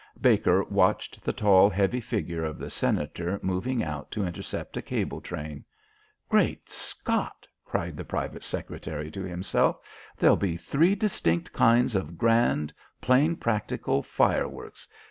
Baker watched the tall, heavy figure of the Senator moving out to intercept a cable train. "Great Scott!" cried the private secretary to himself, "there'll be three distinct kinds of grand, plain practical fireworks.